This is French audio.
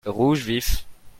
rouge vif.